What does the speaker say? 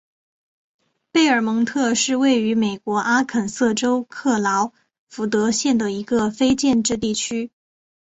贝尔蒙特是位于美国阿肯色州克劳福德县的一个非建制地区。